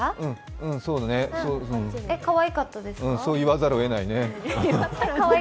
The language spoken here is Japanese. うん、そう言わざるをえないね。